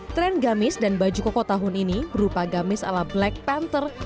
tren gamis dan baju koko tahun ini berupa gamis ala black panther